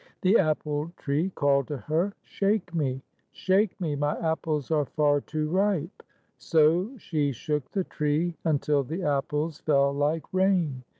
The apple tree called to her, " Shake me ! Shake me ! My apples are far too ripe." So she shook the tree until the apples fell like rain.